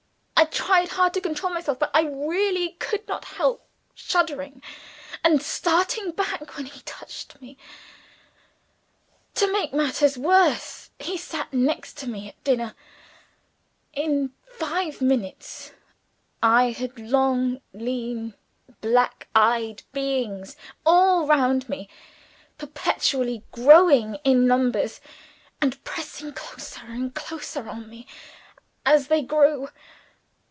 I tried hard to control myself but I really could not help shuddering and starting back when he touched me. To make matters worse, he sat next to me at dinner. In five minutes I had long, lean, black eyed beings all round me; perpetually growing in numbers, and pressing closer and closer on me as they grew.